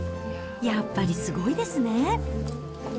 やっぱりすごいですね。